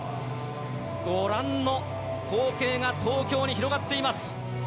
ご覧の光景が東京に広がっています。